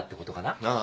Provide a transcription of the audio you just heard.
ああ。